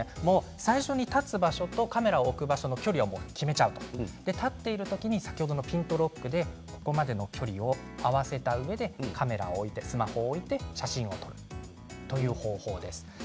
最初に立つ場所とカメラの置く場所を決めちゃう立っている時に先ほどのピントロックで、ここまでの距離を合わせたうえでカメラを置いてスマホを置いて写真を撮るという方法です。